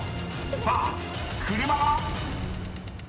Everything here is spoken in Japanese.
さあ車は⁉］